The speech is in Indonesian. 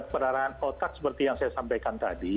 perarahan otak seperti yang saya sampaikan tadi